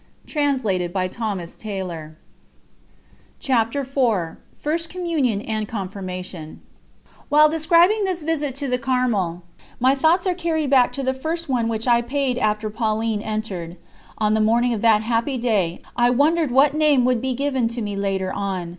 2:11. ______________________________ CHAPTER IV FIRST COMMUNION AND CONFIRMATION While describing this visit to the Carmel, my thoughts are carried back to the first one which I paid after Pauline entered. On the morning of that happy day, I wondered what name would be given to me later on.